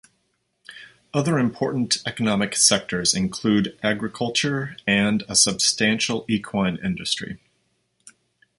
Other important economic sectors include agriculture and a substantial equine industry.